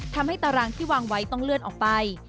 ตารางที่วางไว้ต้องเลื่อนออกไป